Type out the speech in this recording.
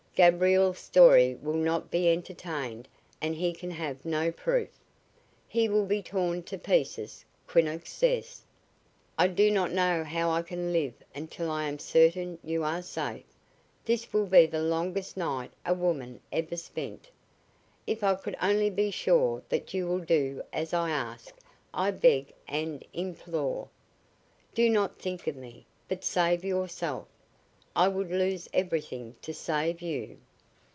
Gabriel's story will not be entertained and he can have no proof. He will be torn to pieces, Quinnox says. I do not know how I can live until I am certain you are safe. This will be the longest night a woman ever spent. If I could only be sure that you will do as I ask, as I beg and implore! Do not think of me, but save yourself. I would lose everything to save you."